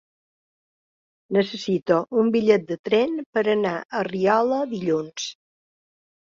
Necessito un bitllet de tren per anar a Riola dilluns.